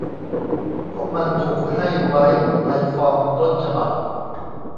พวกมันถูกให้ไว้ในฟอร์มต้นฉบับ